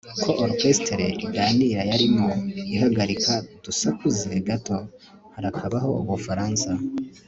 ko orchestre iganira yarimo ihagarika dusakuze gato - harakabaho ubufaransa